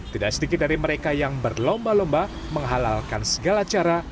tidak sedikit dari mereka yang berlomba lomba menghalalkan segala cara